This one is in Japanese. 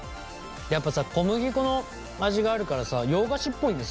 やっぱさ小麦粉の味があるからさ洋菓子っぽいねすごい。